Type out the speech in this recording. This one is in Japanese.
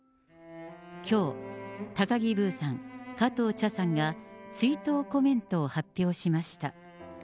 きょう、高木ブーさん、加藤茶さんが、追悼コメントを発表しました。